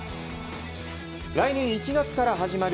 来年１月から始まる